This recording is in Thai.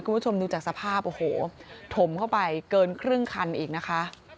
คุณผู้ชมดูจากสภาพโอ้โหถมเข้าไปเกินครึ่งคันอีกนะคะ